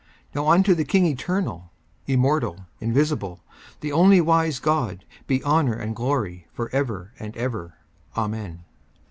54:001:017 Now unto the King eternal, immortal, invisible, the only wise God, be honour and glory for ever and ever. Amen.